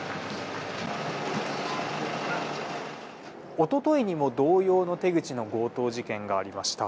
一昨日にも同様の手口の強盗事件がありました。